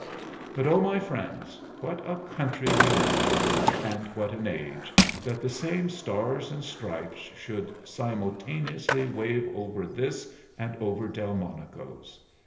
But oh, my friends, what a country we live in, and what an age, that the same stars and stripes should simultaneously wave over this and over Delmonico's!